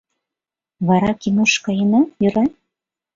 Вара кинош каена, йӧра?